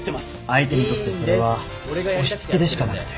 相手にとってそれは押し付けでしかなくて。